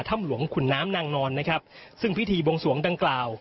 ถ้ำหลวงขุนน้ำนางนอนนะครับซึ่งพิธีบวงสวงดังกล่าว